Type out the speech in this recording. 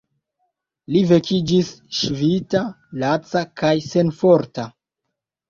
Li vekiĝis ŝvita, laca kaj senforta.